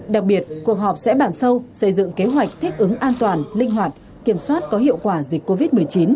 đặc biệt cuộc họp sẽ bàn sâu xây dựng kế hoạch thích ứng an toàn linh hoạt kiểm soát có hiệu quả dịch covid một mươi chín